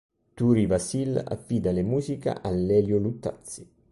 Turi Vasile affida le musiche a Lelio Luttazzi.